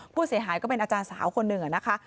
ผู้เสียหายก็เป็นอาจารย์สาวคนหนึ่งนะคะ